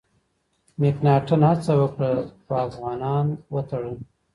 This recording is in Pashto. مکناتن هڅه وکړه، خو افغانان وتړل.